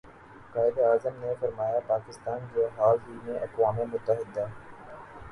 قائد اعظم نے فرمایا پاکستان جو حال ہی میں اقوام متحدہ